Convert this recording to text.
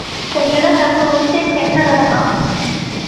总觉得还不如先前看到的好